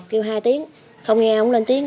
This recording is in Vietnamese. kêu hai tiếng